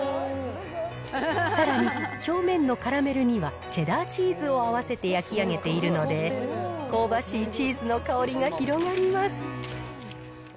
さらに表面のカラメルにはチェダーチーズを合わせて焼き上げているので、香ばしいチーズの香りが広がります。